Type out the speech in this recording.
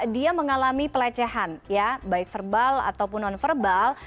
dia mengalami pelecehan ya baik verbal ataupun non verbal